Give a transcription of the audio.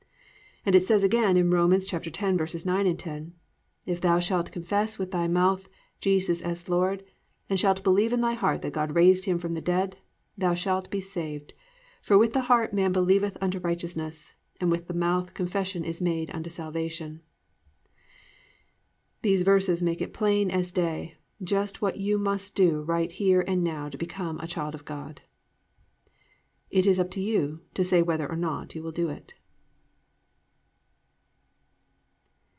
"+ And it says again in Rom. 10:9, 10, +"If thou shalt confess with thy mouth Jesus as Lord and shalt believe in thy heart that God raised him from the dead, thou shalt be saved: for with the heart man believeth unto righteousness; and with the mouth confession is made unto salvation."+ These verses make it plain as day just what you must do right here and now to become a child of God. It is up to you to say whether or not you will do it.